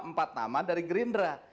empat nama dari gerindra